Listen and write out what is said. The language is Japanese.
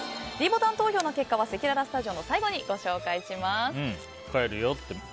ｄボタン投票の結果はせきららスタジオの最後にご紹介いたします。